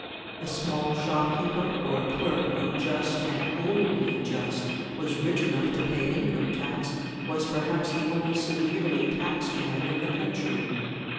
A small shopkeeper, or a clerk who just, and only just, was rich enough to pay income tax, was perhaps the only severely taxed man in the country.